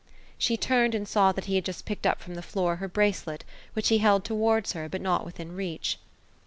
She turned, and saw that he had just picked up from the floor, her bracelet, which he held towards her, but not within reach.